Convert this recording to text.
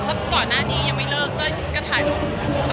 พอก่อนหน้านี้ยังไม่เลิกก็ใส่ลงใช่ไหมฮะ